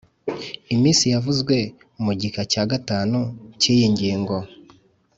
Iminsi yavuzwe mu gika cya gatanu cy iyi ngingo